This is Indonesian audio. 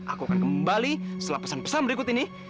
aku akan kembali setelah pesan pesan berikut ini